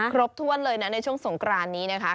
ครบถ้วนเลยนะในช่วงสงกรานนี้นะคะ